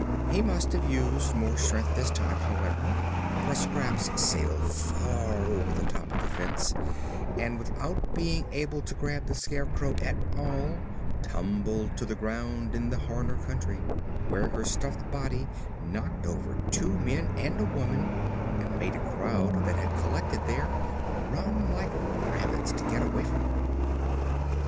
He must have used more strength this time, however, for Scraps sailed far over the top of the fence and, without being able to grab the Scarecrow at all, tumbled to the ground in the Horner Country, where her stuffed body knocked over two men and a woman and made a crowd that had collected there run like rabbits to get away from her.